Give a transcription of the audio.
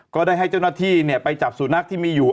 ก็ได้ให้เจ้าหน้าที่ไปจับสุนัขที่มีอยู่